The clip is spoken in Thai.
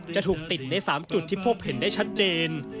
จะถูกติดใน๓จุดที่พบเห็นได้ชัดเจน